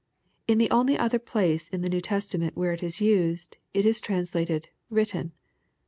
In the only other place in the New Testament, where it is used, it is translated " written."